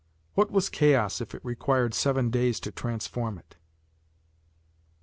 What was chaos if it required seven days to transform it?